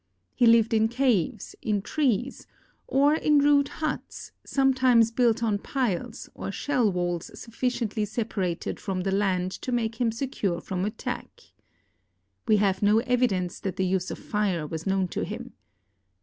He lived in caves, in trees, or in rude huts sometimes built on piles or shell walls sufficiently se])arated from the land to make him secure from attack. We have no evidence that the use of fire was known to him.